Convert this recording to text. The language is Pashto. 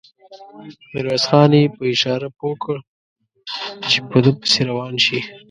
ميرويس خان يې په اشاره پوه کړ چې په ده پسې روان شي.